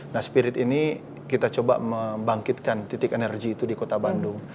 nah spirit ini kita coba membangkitkan titik energi itu di kota bandung